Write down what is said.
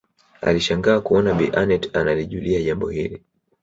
Alishangaa kuona Bi Aneth analijua jambo hili